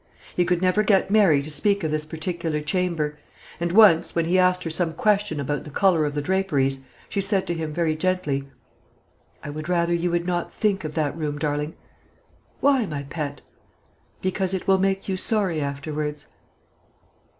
He could never get Mary to speak of this particular chamber; and once, when he asked her some question about the colour of the draperies, she said to him, very gently, "I would rather you would not think of that room, darling." "Why, my pet?" "Because it will make you sorry afterwards."